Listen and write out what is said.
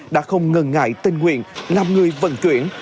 đã không ngần ngại tình nguyện làm người vận chuyển